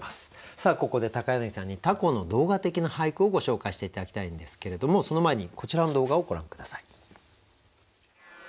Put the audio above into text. さあここで柳さんに凧の動画的な俳句をご紹介して頂きたいんですけれどもその前にこちらの動画をご覧下さい。